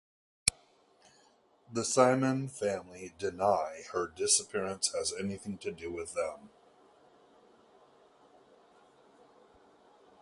The Simon family deny her disappearance has anything to do with them.